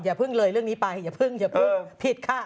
อย่าพึ่งเลยเรื่องนี้ไปอย่าพึ่งผิดค่ะ